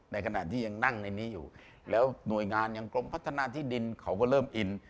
ในขณะที่ยังนั่งในนี้อยู่แล้วหน่วยงานยังกรมพัฒนาที่ดินเขาก็เริ่มอิน